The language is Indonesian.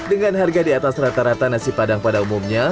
dengan harga di atas rata rata nasi padang pada umumnya